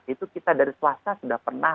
itu kita dari swasta sudah pernah